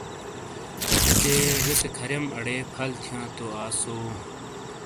چے زے سے کھریم اڑے پھل تھیاں تو آسو